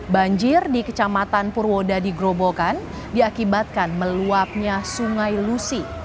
banjir di kecamatan purwodadi grobogan diakibatkan meluapnya sungai lusi